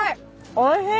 おいしい！